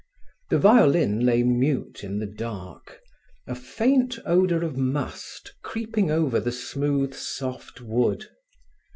The violin lay mute in the dark, a faint odour of must creeping over the smooth, soft wood.